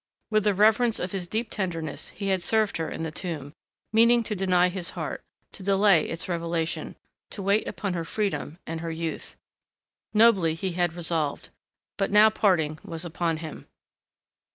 With the reverence of his deep tenderness he had served her in the tomb, meaning to deny his heart, to delay its revelation, to wait upon her freedom and her youth.... Nobly he had resolved.... But now parting was upon him.